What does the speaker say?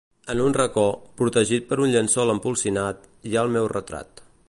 En un racó, protegit per un llençol empolsinat, hi ha el meu retrat.